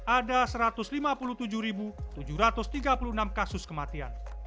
ada satu ratus lima puluh tujuh tujuh ratus tiga puluh enam kasus kematian